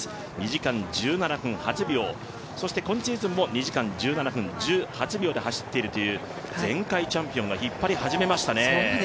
２時間１７分８秒、今シーズンも２時間１７分１８秒で走っているという前回チャンピオンが引っ張り始めましたね。